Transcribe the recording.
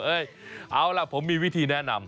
เอาล่ะผมมีวิธีแนะนำ